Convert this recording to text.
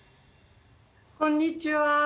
こんにちは。